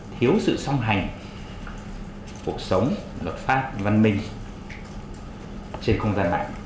thiếu sự song hành cuộc sống luật pháp văn minh trên không gian mạng